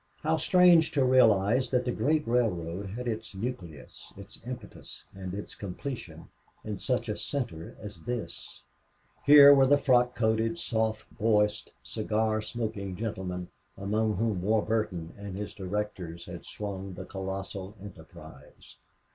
How strange to realize that the great railroad had its nucleus, its impetus, and its completion in such a center as this! Here were the frock coated, soft voiced, cigar smoking gentlemen among whom Warburton and his directors had swung the colossal enterprise.